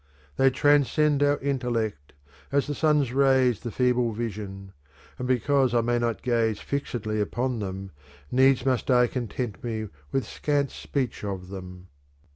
They transcend our intellect, as the sun's ray the feeble vision : and because I may not gaze fixedly upon them, needs must I content me with scant speech of thetp.